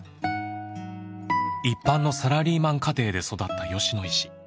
一般のサラリーマン家庭で育った吉野医師。